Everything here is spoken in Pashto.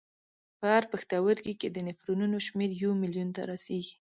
په هر پښتورګي کې د نفرونونو شمېر یو میلیون ته رسېږي.